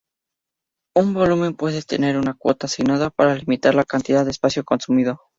Un volumen puede tener una cuota asignada para limitar la cantidad de espacio consumido.